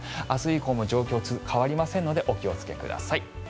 明日以降も状況は変わりませんのでお気をつけください。